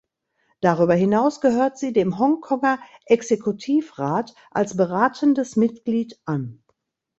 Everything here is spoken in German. Darüber hinaus gehört sie dem Hongkonger Exekutivrat als beratendes Mitglied an.